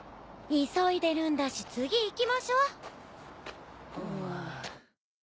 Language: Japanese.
急いでるんだし次行きましょう。